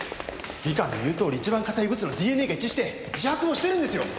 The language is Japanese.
技官の言うとおり一番固いブツのＤＮＡが一致して自白もしてるんですよ。